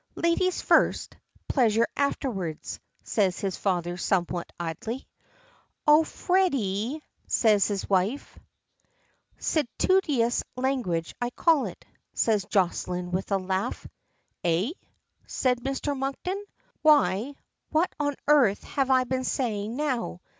"Ladies first pleasure afterwards," says his father somewhat idly. "Oh Freddy!" says his wife. "Seditious language I call it," says Jocelyne with a laugh. "Eh?" says Mr. Monkton. "Why what on earth have I been saying now.